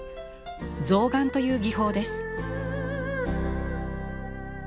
象眼という技法です。